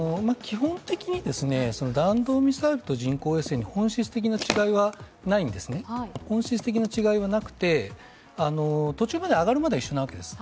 基本的に、弾道ミサイルと人工衛星に本質的な違いはなくて、途中まで上がるまでは一緒なわけです。